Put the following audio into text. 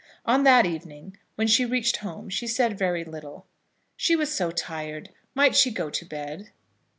On that evening, when she reached home, she said very little. She was so tired. Might she go to bed?